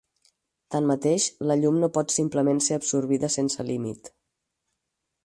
Tanmateix, la llum no pot simplement ser absorbida sense límit.